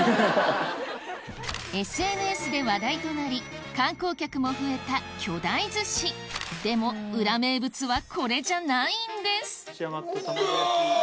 ＳＮＳで話題となり観光客も増えた巨大寿司でも裏名物はこれじゃないんですうわ！